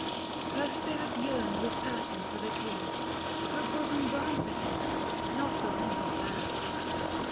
Her spirit yearned With passion for the king ; her bosom burned For him, not blind in that.